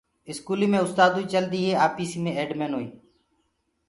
اسڪوليٚ مي استآدوئي چلديٚ هي آپيسيٚ مي ايڊ مينوئيٚ